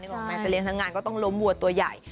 ออกแม้จะเลี้ยทั้งงานก็ต้องล้มวัวตัวใหญ่